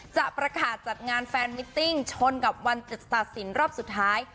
จะประกาศจัดงานแฟนมิตติ้งชนกับวันตัดสินรอบสุดท้าย